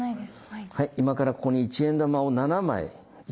今からここに一円玉を７枚。